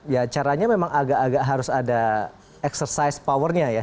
ya caranya memang agak agak harus ada exercise powernya ya